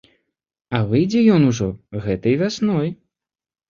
А выйдзе ён ужо гэтай вясной.